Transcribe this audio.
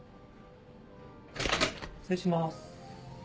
失礼します。